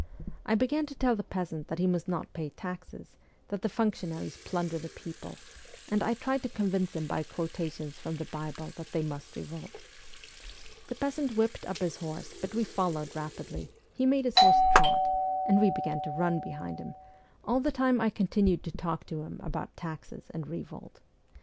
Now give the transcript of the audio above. I began to tell the peasant that he must not pay taxes, that the function aries plunder the people, and I tried to convince him by quotations from the Bible that they must revolt. The peasant whipped up his horse, but we followed rapidly ; he made his horse trot, and we began to run behind him ; all the time I continued to talk to him about taxes and revolt.